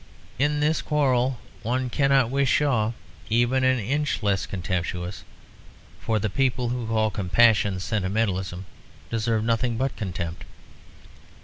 In this quarrel one cannot wish Shaw even an inch less contemptuous, for the people who call compassion "sentimentalism" deserve nothing but contempt.